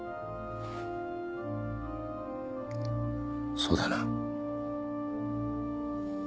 そうだな。